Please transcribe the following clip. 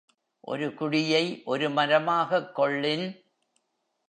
ஒரு குடியை ஒரு மரமாகக் கொள்ளின்